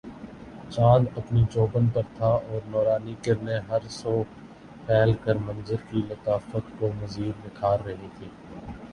چاند اپنے جوبن پر تھا اور نورانی کرنیں ہر سو پھیل کر منظر کی لطافت کو مزید نکھار رہی تھیں